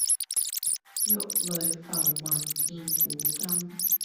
玉壘浮雲變古今。